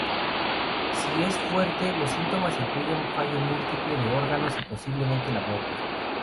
Si es fuerte, los síntomas incluyen fallo múltiple de órganos y posiblemente la muerte.